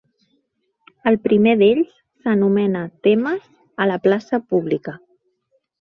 El primer d'ells s'anomena Temes a la plaça pública.